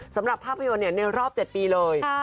สำหรับภาพยนตร์ในรอบ๗ปีเลย